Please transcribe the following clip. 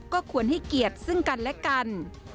ก็ควรให้เกียรติซึ่งกันและกัน